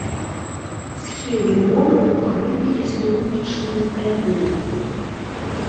Схілы гор укрыты лістоўнічнай тайгой.